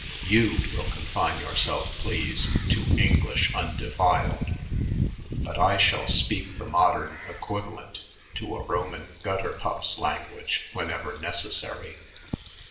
You will confine yourselves, please, to English undefiled, but I shall speak the modern equivalent to a Roman gutter pup's language whenever necessary.